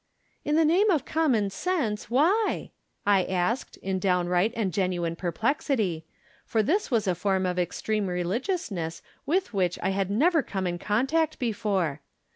"In the name of common sense, why?" I asked, in downright and genuine perplexity, for this was a form of extreme religiousness with which I had never come in contact before.